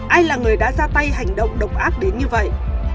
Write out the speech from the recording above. ai là người đã ra tay hành động độc ác đến như vậy